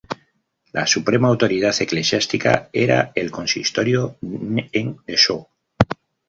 La suprema autoridad eclesiástica era el consistorio en Dessau.